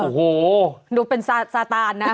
โอ้โหดูเป็นซาตานนะ